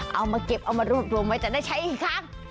เอามาเก็บรวบไว้จะได้ใช้อีกครั้ง